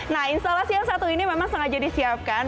nah instalasi yang satu ini memang sengaja disiapkan